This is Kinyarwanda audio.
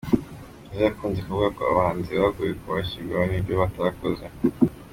Nizzo yakunze kuvuga ko abahanzi bagowe kuko bashyirwaho nibyo batakoze.